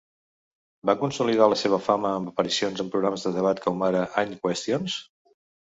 Va consolidar la seva fama amb aparicions en programes de debat com ara Any Questions?